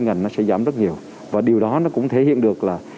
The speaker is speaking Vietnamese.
thì cái ngành nó sẽ giảm rất nhiều và điều đó nó cũng thể hiện được là